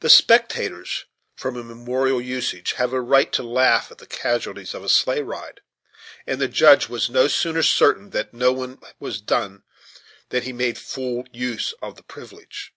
The spectators, from immemorial usage, have a right to laugh at the casualties of a sleigh ride; and the Judge was no sooner certain that no one was done than he made full use of the privilege.